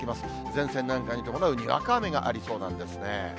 前線南下に伴うにわか雨がありそうなんですね。